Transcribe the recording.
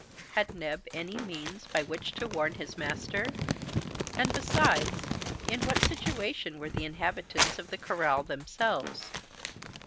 Had Neb any means by which to warn his master? And, besides, in what situation were the inhabitants of the corral themselves?